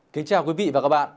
kính chào quý vị và các bạn